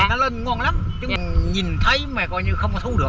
nó lên ngon lắm nhưng nhìn thấy mà không có thu được